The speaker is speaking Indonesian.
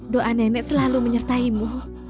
doa nenek selalu menyertai mu